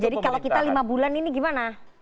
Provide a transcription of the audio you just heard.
jadi kalau kita lima bulan ini gimana